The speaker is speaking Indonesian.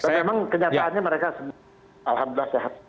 karena memang kenyataannya mereka semua alhamdulillah sehat